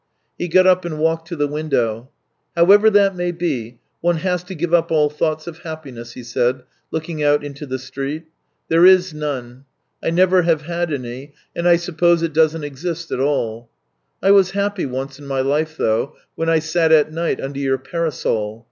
He got up and walked to the window. " However that may be, one has to give up 304 THE TALES OF TCHEHOV all thoughts of happiness," he said, looking out into the street. " There is none. I never have had any, and I suppose it doesn't exist at all. I was happy once in my life, though, when I sat at night under your parasol.